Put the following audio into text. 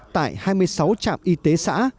tại hai mươi sáu trạm y tế xã